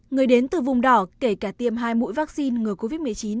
người đến từ vùng đỏ kể cả tiêm hai mũi vaccine ngừa covid một mươi chín